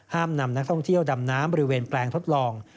นำนักท่องเที่ยวดำน้ำบริเวณแปลงทดลอง